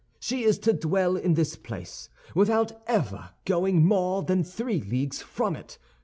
She is to dwell in this place without ever going more than three leagues from it.